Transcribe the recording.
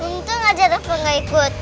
untung aja rafa gak ikut